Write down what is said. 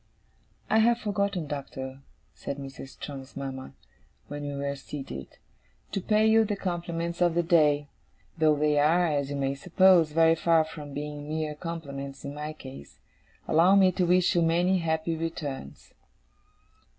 'I have forgotten, Doctor,' said Mrs. Strong's mama, when we were seated, 'to pay you the compliments of the day though they are, as you may suppose, very far from being mere compliments in my case. Allow me to wish you many happy returns.